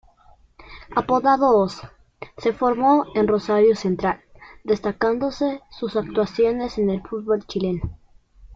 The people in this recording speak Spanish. Apodado "Oso", se formó en Rosario Central, destacándose sus actuaciones en el fútbol chileno.